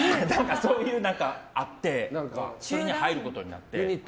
そういうのがあって入ることになって。